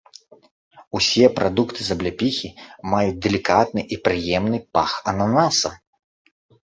Усе прадукты з абляпіхі маюць далікатны і прыемны пах ананаса.